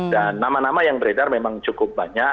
nama nama yang beredar memang cukup banyak